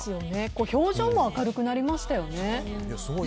表情も明るくなりましたよね。